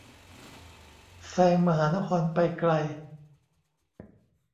แซงมหานครไปไกล